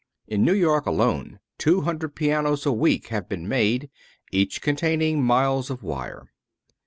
In New York alone two hundred pianos a week have been made, each containing miles of wire.